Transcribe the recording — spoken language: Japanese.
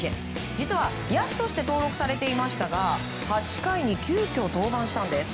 実は野手として登録されていましたが８回に急きょ登板したんです。